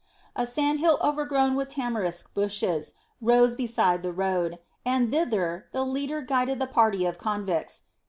A sand hill overgrown with tamarisk bushes rose beside the road, and thither the leader guided the party of convicts.